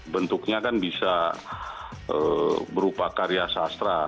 bentuknya kan bisa berupa karya sastra